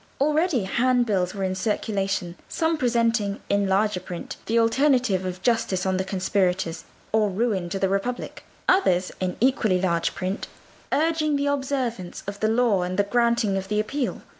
Already handbills were in circulation; some presenting, in large print, the alternative of justice on the conspirators or ruin to the Republic; others in equally large print urging the observance of the law and the granting of the Appeal.